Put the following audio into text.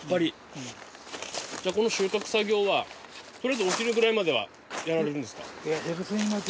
じゃあこの収穫作業はとりあえずお昼くらいまではやられるんですか。